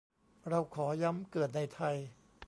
เราขอย้ำ เกิดในไทย